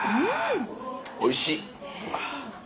おいしい。